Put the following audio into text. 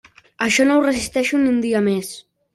Això no ho resisteixo ni un dia més.